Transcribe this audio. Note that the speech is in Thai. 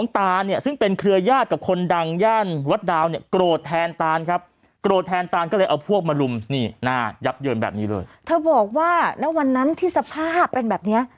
เธอบอกว่าในวันนั้นทฤษภาพที่เป็นแบบนี้